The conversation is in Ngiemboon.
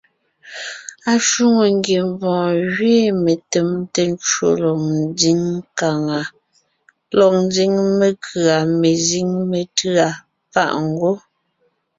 Ashwòŋo ngiembɔɔn gẅiin metèmte ncwò lɔg ńdiŋ menkʉ̀a mezíŋ métʉ̂a páʼ ngwɔ́.